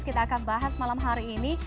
kita akan bahas malam hari ini